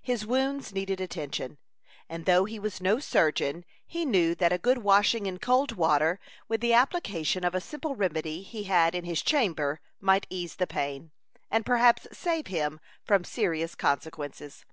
His wounds needed attention, and though he was no surgeon, he knew that a good washing in cold water, with the application of a simple remedy he had in his chamber, might ease the pain, and perhaps save him from serious consequences.